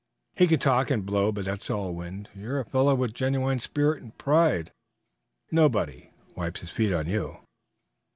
He can talk and blow, but it's all wind. You're a fellow with genuine spirit and pride; nobody wipes his feet on you."